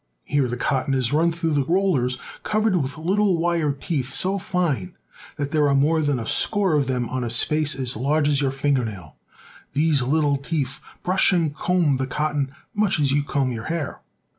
Here the cotton is run through rollers covered with little wire teeth so fine that there are more than a score of them on a space as large as your finger nail. These little teeth brush and comb the cotton much as you comb your hair.